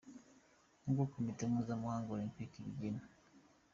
nk’uko komite mpuzamahanga olempike ibigena.